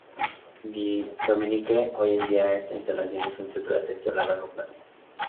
Dominique, hoy en día esta instalación es un centro de atención a largo plazo.